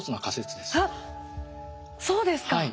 あっそうですか。